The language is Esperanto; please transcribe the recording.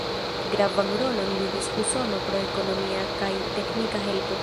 Gravan rolon ludis Usono pro ekonomia kaj teknika helpo.